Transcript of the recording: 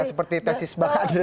seperti tesis mbak agri tadi